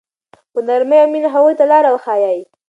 په نرمۍ او مینه هغوی ته لاره وښایئ.